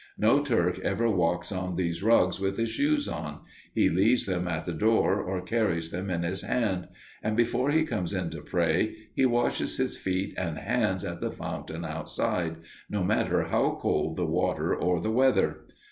No Turk ever walks on those rugs with his shoes on, he leaves them at the door or carries them in his hand, and before he comes in to pray, he washes his feet and hands at the fountain outside, no matter how cold the water or the weather.